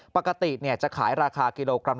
ปกติจะขายราคากิโลกรัม